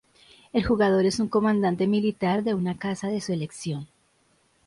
El jugador es un comandante militar de una Casa de su elección.